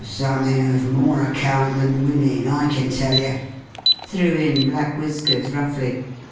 "Somethin' uv more account than women, I kin tell ye!" threw in Black Whiskers roughly.